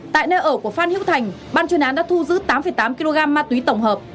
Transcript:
tại nơi ở của phan hữu thành ban chuyên án đã thu giữ tám tám kg ma túy tổng hợp